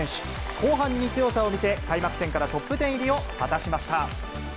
後半に強さを見せ、開幕戦からトップテン入りを果たしました。